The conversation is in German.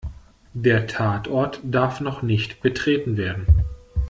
Der Tatort darf noch nicht betreten werden.